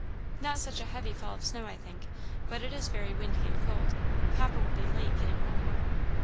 "Not such a heavy fall of snow, I think, but it is very windy and cold. Papa will be late getting home."